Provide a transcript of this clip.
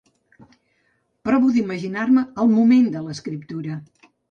Provo d'imaginar-me el moment de l'escriptura.